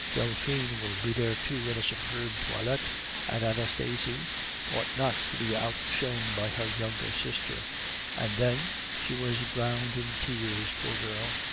Delphine will be there too in a superb toilette, and Anastasie ought not to be outshone by her younger sister. And then she was drowned in tears, poor girl!